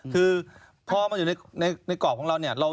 คือพอมาอยู่ในกรอบของเราเนี่ย